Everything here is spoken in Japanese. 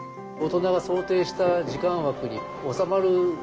大人が想定した時間枠に収まる